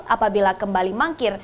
apabila kembali mangkir